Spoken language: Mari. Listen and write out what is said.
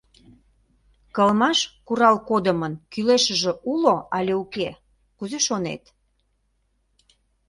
Кылмаш курал кодымын кӱлешыже уло але уке, кузе шонет?»